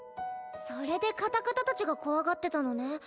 それでカタカタたちが怖がってたのね。